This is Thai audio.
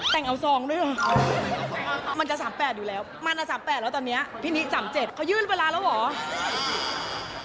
แต่งเอา๒ด้วยมันจะ๓๘อยู่แล้วมัน๓๘แล้วตอนนี้พี่นิ๓๗เขายื่นเวลาแล้วเหรอ